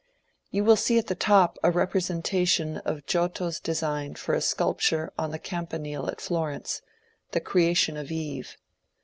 You will see at the top a representation of Giotto's de sign for a sculpture on the Campanile at Florence, the Cre ation of Eve."